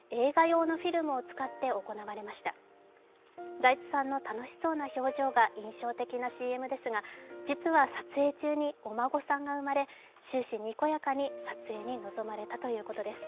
財津さんの楽しそうな表情が印象的なＣＭですが実は撮影中にお孫さんが生まれ終始にこやかに撮影に臨まれたということです。